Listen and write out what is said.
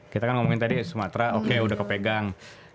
kita kan ngomongin tadi sumatera oke udah kepegang